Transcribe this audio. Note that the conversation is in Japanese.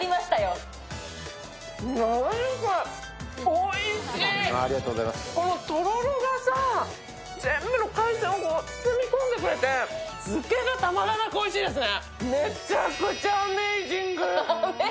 おいしい、このとろろがさ全部の海鮮を包み込んでくれて漬けがたまらなくおいしいですね。